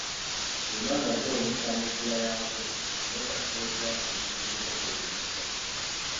Zonna nga zeewuunyisa mu nkula yaazo, naye nga Spy-glass lwe lusinga okwewuunyisa.